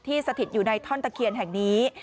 สถิตอยู่ในท่อนตะเคียนแห่งนี้